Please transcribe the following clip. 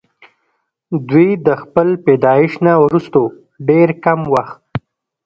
دوي د خپل پيدائش نه وروستو ډېر کم وخت